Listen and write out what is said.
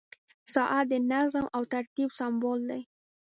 • ساعت د نظم او ترتیب سمبول دی.